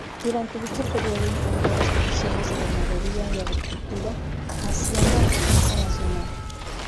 Durante dicho período integró las comisiones de Ganadería y Agricultura, Hacienda y Defensa Nacional.